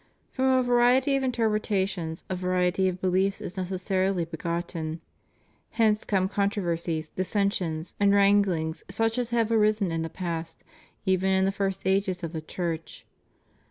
From a variety of interpretations a variety of beliefs is necessarily begotten; hence come controversies, dissensions, and wranglings such as have arisen in the past, even in the first ages of the Church.